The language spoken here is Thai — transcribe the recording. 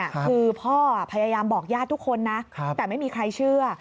คือพ่อพยายามบอกญาติทุกคนนะแต่ไม่มีใครเชื่อ